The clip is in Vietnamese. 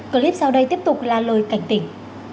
clip sau đây tiếp tục là lời cảnh tỉnh